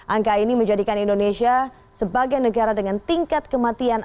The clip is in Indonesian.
angka ini menjadikan indonesia sebagai negara dengan tingkat kematian